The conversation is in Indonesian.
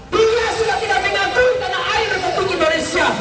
dia sudah tidak mengatur tanah air republik indonesia